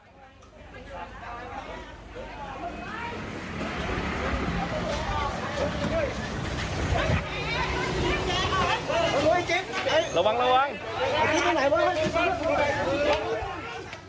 ระวังระวัง